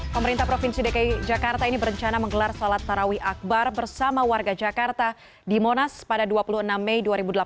pemerintah provinsi dki jakarta ini berencana menggelar salat tarawih akbar bersama warga jakarta di monas pada dua puluh enam mei dua ribu delapan belas